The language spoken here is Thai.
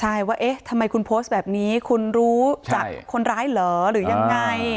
ใช่ว่าเอ๊ะทำไมคุณโพสต์แบบนี้คุณรู้จักคนร้ายเหรอหรือยังไง